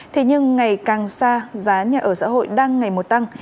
thế nhưng ngày càng xa giá nhà ở xã hội đang ngày một tăng